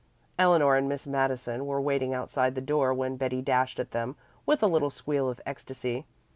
Eleanor and Miss Madison were waiting outside the door when Betty dashed at them with a little squeal of ecstasy.